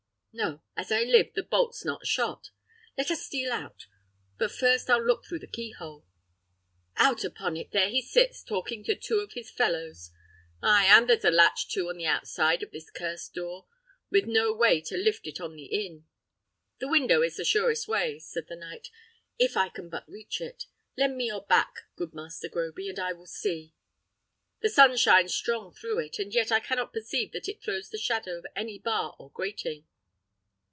No, as I live, the bolt's not shot. Let us steal out; but first I'll look through the keyhole. Out upon it! there he sits, talking to two of his fellows; ay, and there's a latch too on the outside of this cursed door, with no way to lift it on the in." "The window is the surest way," said the knight, "if I can but reach it. Lend me your back, good master Groby, and I will see. The sun shines strong through it, and yet I cannot perceive that it throws the shadow of any bar or grating."